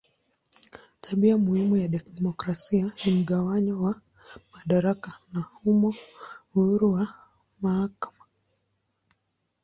Tabia muhimu ya demokrasia ni mgawanyo wa madaraka na humo uhuru wa mahakama.